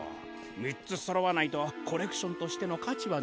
みっつそろわないとコレクションとしてのかちはないで。